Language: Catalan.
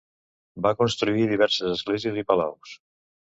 Va construir diverses esglésies i palaus.